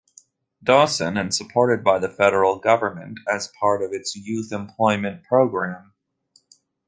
Dawson and supported by the federal government as part of its youth employment program.